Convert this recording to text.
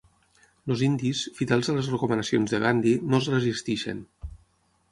Els indis, fidels a les recomanacions de Gandhi, no es resisteixen.